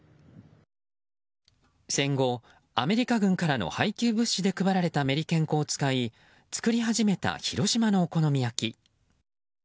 戦後、アメリカ軍からの配給物資で配られたメリケン粉を使い作り始めた、広島のお好み焼き。